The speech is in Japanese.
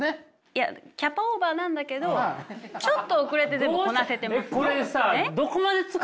いやキャパオーバーなんだけどちょっと遅れて全部こなせてます。